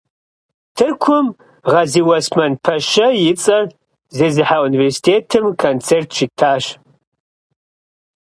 Тыркум Гъэзиуэсмэн пэщэ и цӀэр зезыхьэ университетым концерт щыттащ.